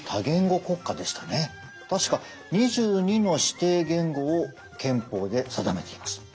確か２２の指定言語を憲法で定めています。